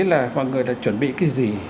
là mọi người chuẩn bị cái gì